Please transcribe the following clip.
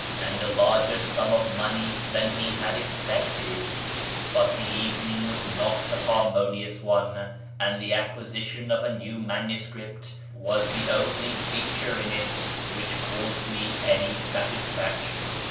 ind a larger sum of money than he had expected, liut the (evening was not a harmonious one, and the acquisition of a new manuscript was the only feature in it which caused me any satisfaction.